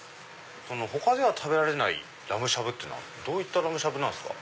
他では食べられないラムしゃぶはどういったラムしゃぶですか？